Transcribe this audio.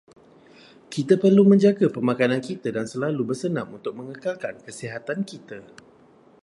Kita perlu menjaga pemakanan kita dan selalu bersenam untuk mengekalkan kesihatan kita.